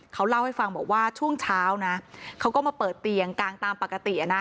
เขาเล่าให้ฟังบอกว่าช่วงเช้านะเขาก็มาเปิดเตียงกลางตามปกติ